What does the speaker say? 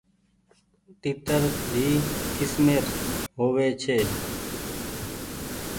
تيترۮي ڪسمير هووي ڇي۔